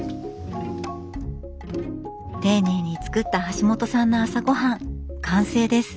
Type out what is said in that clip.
丁寧に作ったはしもとさんの朝ごはん完成です。